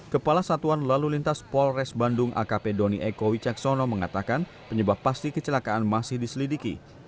kepala satuan lalu lintas polres bandung akp doni eko wicaksono mengatakan penyebab pasti kecelakaan masih diselidiki